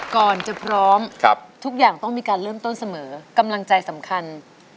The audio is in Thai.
ก่อนจะพร้อมทุกอย่างต้องมีการเริ่มต้นเสมอกำลังใจสำคัญ